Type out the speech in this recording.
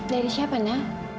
dari siapa na